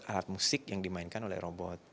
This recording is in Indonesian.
alat musik yang dimainkan oleh robot